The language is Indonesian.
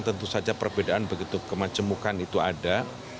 tentu saja perbedaan begitu kemacemukan itu ada